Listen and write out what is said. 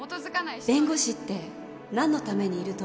弁護士って何のためにいると思う？